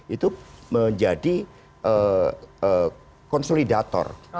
itu menjadi konsolidator